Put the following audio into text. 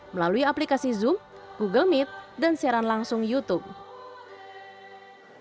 melalui aplikasi zoom google meet dan siaran langsung youtube